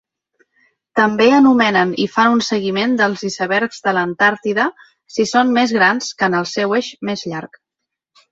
També anomenen i fan un seguiment dels icebergs de l'Antàrtida si són més grans que en el seu eix més llarg.